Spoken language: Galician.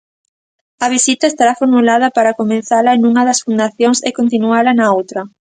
A visita estará formulada para comezala nunha das fundacións e continuala na outra.